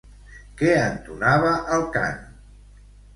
Què entonava el cant?